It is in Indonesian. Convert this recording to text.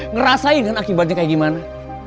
ngerasain kan akibatnya kayak gimana